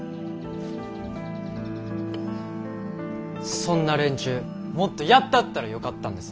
そんな連中もっとやったったらよかったんです。